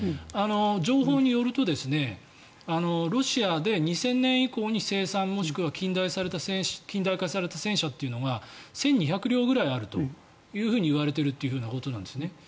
情報によるとロシアで２０００年以降に生産もしくは近代化された戦車というのが１２００両くらいあるといわれているということなんですね。